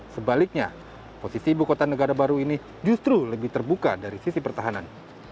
sebaliknya posisi ibu kota negara baru ini justru lebih terbuka dari sisi pertahanan